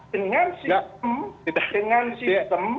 dengan sistem dengan sistem